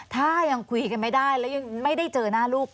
ถ้ายังคุยกันไม่ได้แล้วยังไม่ได้เจอหน้าลูก